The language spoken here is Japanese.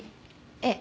ええ。